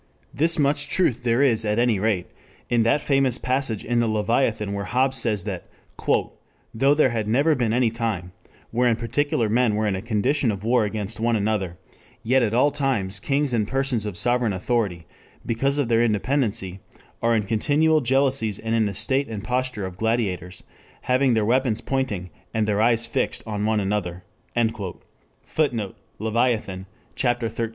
This much truth there is at any rate in that famous passage in the Leviathan where Hobbes says that "though there had never been any time wherein particular men were in a condition of war one against another, yet at all times kings and persons of sovereign authority because of their independency, are in continual jealousies and in the state and posture of gladiators, having their weapons pointing, and their eyes fixed on one another..." [Footnote: Leviathan, Ch. XIII.